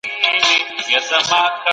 د پنبي پاکولو پروسه ډېره چټکه سوي ده.